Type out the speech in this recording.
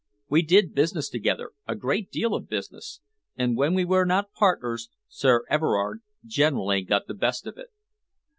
We did business together a great deal of business and when we were not partners, Sir Everard generally got the best of it."